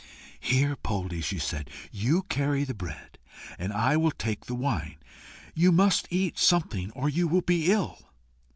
"Here, Poldie," she said, "you carry the bread, and I will take the wine. You must eat something, or you will be ill."